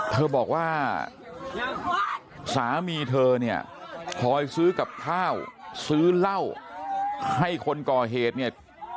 เธอบอกว่าสามีเธอเนี่ยคอยซื้อกับข้าวซื้อเหล้าให้คนก่อเหตุเนี่ย